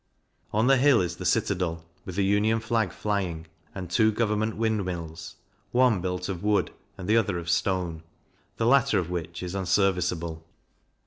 On the hill is the Citadel, with the union flag flying, and two Government Wind mills, one built of wood and the other of stone, the latter of which is unserviceable.